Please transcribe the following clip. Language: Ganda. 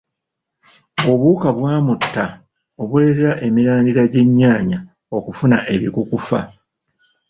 Obuwuka bwa mu ttaka obuleetera emirandira gy'ennyaanya okufuna ebikukufa.